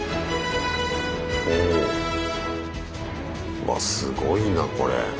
うわすごいなこれ。